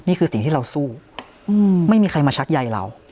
นี่คือสิ่งที่เราสู้ไม่มีใครมาชักใยเรา